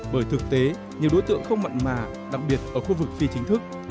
bởi thực tế nhiều đối tượng không mặn mà đặc biệt ở khu vực phi chính thức